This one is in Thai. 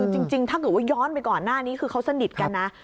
จริงถ้าเกิดว่าย้อนไปก่อนหน้านี้คือเขาสนิทกันนะ